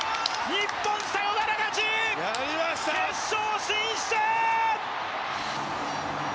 日本、サヨナラ勝ち、決勝進出！